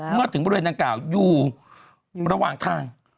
เมื่อถึงบริเวณดังกล่าวอยู่ระหว่างทาง